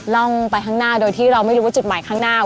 ร่องไปข้างหน้าโดยที่เราไม่รู้ว่าจุดหมายข้างหน้า